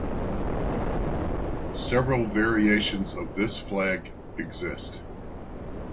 Several variations of this flag exist.